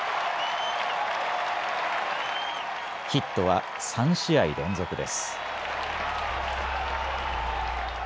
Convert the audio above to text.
ヒットは３試合連続です。